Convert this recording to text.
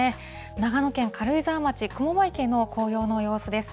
長野県軽井沢町雲場池の紅葉の様子です。